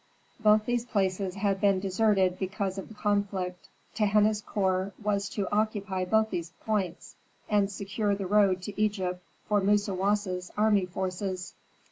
Both these places had been deserted because of the conflict. Tehenna's corps was to occupy both these points, and secure the road to Egypt for Musawasa's army forces.